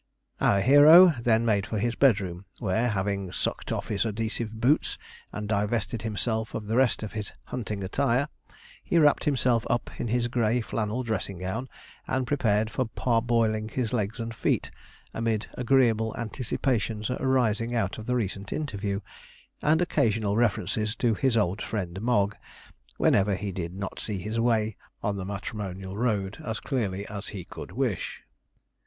Our hero then made for his bedroom, where, having sucked off his adhesive boots, and divested himself of the rest of his hunting attire, he wrapped himself up in his grey flannel dressing gown, and prepared for parboiling his legs and feet, amid agreeable anticipations arising out of the recent interview, and occasional references to his old friend Mogg, whenever he did not see his way on the matrimonial road as clearly as he could wish.